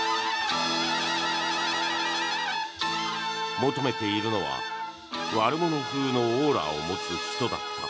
求めているのは悪者風のオーラを持つ人だった。